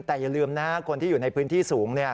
แต่อย่าลืมนะคนที่อยู่ในพื้นที่สูง